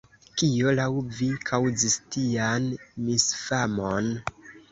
Kio laŭ vi kaŭzis tian misfamon?